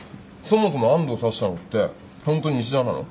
そもそも安藤を刺したのってホントに石田なの？